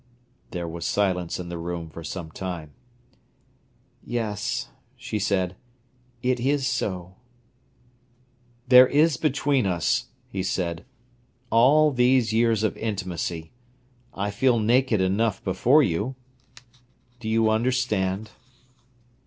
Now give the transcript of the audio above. There was silence in the room for some time. "Yes," she said, "it is so." "There is between us," he said, "all these years of intimacy. I feel naked enough before you. Do you understand?"